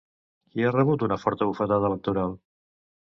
Qui ha rebut una forta bufetada electoral?